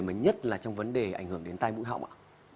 mà nhất là trong vấn đề ảnh hưởng đến tai mũi họng ạ